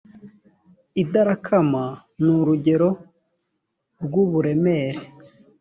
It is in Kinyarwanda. idarakama ni urugero rw’uburemere